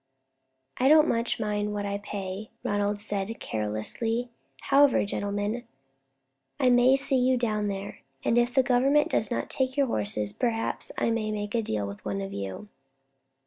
"I don't much mind what I pay," Ronald said, carelessly. "However, gentlemen, I may see you down there, and if Government does not take your horses, perhaps I may make a deal with one of you."